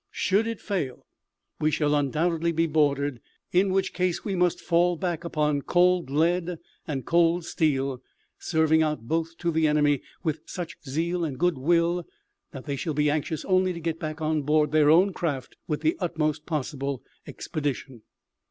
Should it fail, we shall undoubtedly be boarded, in which case we must fall back upon cold lead and cold steel, serving out both to the enemy with such zeal and good will that they shall be anxious only to get back on board their own craft with the utmost possible expedition.